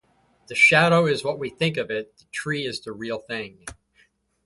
The shadow is what we think of it; the tree is the real thing.